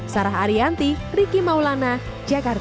sarah arianti riki maulana jakarta